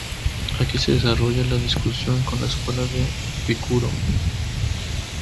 Aquí se desarrolla la discusión con la escuela de Epicuro.